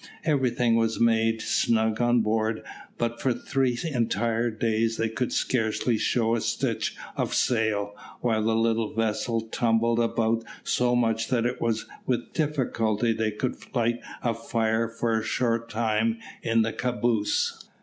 Everything was made snug on board, but for three entire days they could scarcely show a stitch of sail, while the little vessel tumbled about so much that it was with difficulty they could light a fire for a short time in the caboose.